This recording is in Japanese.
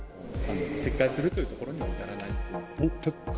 撤回するというところには至撤回？